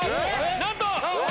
なんと！